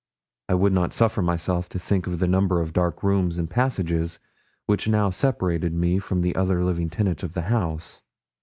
I would not suffer myself to think of the number of dark rooms and passages which now separated me from the other living tenants of the house.